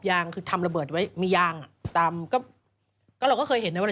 ซึ่งตอน๕โมง๔๕นะฮะทางหน่วยซิวได้มีการยุติการค้นหาที่